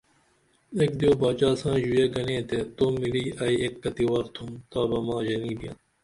ایک دیو باچا سائیں ژوے گنے تے تو ملی ائی ایک کتی وخ تھوم تابہ ما ژنی بیاں